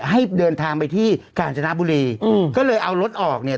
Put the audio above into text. ให้เดินทางไปที่กาญจนบุรีอืมก็เลยเอารถออกเนี่ย